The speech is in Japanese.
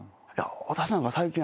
私なんか最近。